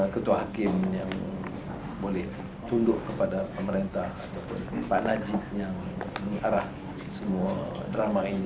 ketua hakim yang boleh tunduk kepada pemerintah ataupun pak najib yang mengarah semua drama ini